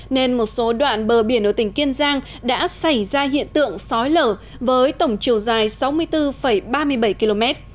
nên một số đoạn bờ biển ở tỉnh kiên giang đã xảy ra hiện tượng sói lở với tổng chiều dài sáu mươi bốn ba mươi bảy km